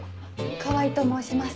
川合と申します。